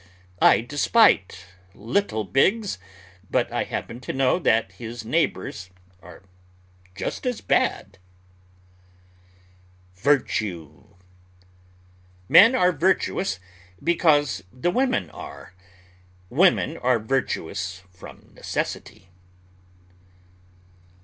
I despise Lytle Biggs, but I happen to know that his neighbors are just as bad. VIRTUE Men are virtuous because the women are; women are virtuous from necessity.